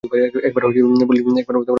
একবার বলেছি তো ভাই।